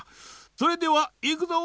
それではいくぞ！